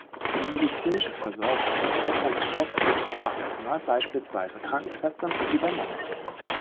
Die medizinische Versorgung wird von ausgebildetem Fachpersonal, beispielsweise Krankenschwestern, übernommen.